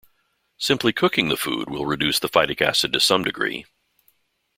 Simply cooking the food will reduce the phytic acid to some degree.